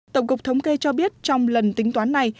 tổng cục thống kê cho biết trong lần tính toán này